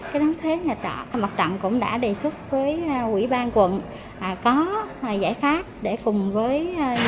cái đáng thuế nhà trọ mặt trận cũng đã đề xuất với quỹ ban quận có giải pháp để cùng với nhân